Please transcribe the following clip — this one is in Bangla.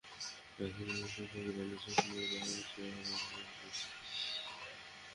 তার একজন শিক্ষক জানিয়েছেন, স্কুলের মেয়েরা আগের চেয়ে এখন অনেক সাহসী।